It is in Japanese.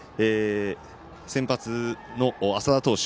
先発の淺田投手